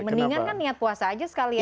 mendingan kan niat puasa saja sekalian